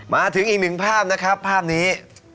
มาถึงอีกหนึ่งภาพนะครับภาพนี้